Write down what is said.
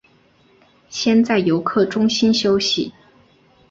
先在游客中心休息